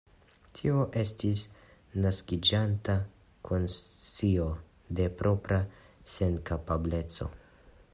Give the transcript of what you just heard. Tio estis naskiĝanta konscio de propra senkapableco.